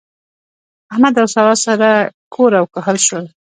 احمد او سارا سره کور او کهول شول.